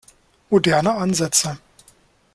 Moderne Ansätze.